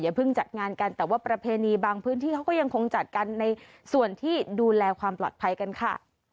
เพิ่งจัดงานกันแต่ว่าประเพณีบางพื้นที่เขาก็ยังคงจัดกันในส่วนที่ดูแลความปลอดภัยกันค่ะ